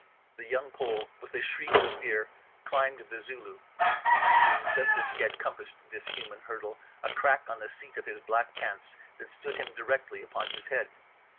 The Young Pole with a shriek of fear climbed the Zulu—receiving just as he had compassed this human hurdle a crack on the seat of his black pants that stood him directly upon his head.